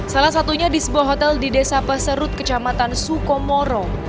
salah satunya di sebuah hotel di desa peserut kecamatan sukomoro